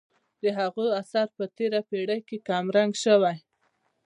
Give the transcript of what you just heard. د هغو اثر په تېره پېړۍ کې کم رنګه شوی.